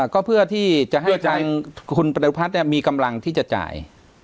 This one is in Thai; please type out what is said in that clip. ก็เพื่อที่จะให้ทางคุณปฏิพัฒน์มีกำลังที่จะจ่าย